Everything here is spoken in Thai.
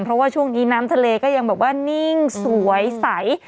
เพราะว่าช่วงนี้น้ำทะเลก็ยังแบบว่านิ่งสวยใส